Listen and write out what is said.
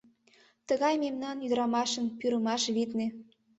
— Тыгай мемнан, ӱдырамашын, пӱрымаш, витне...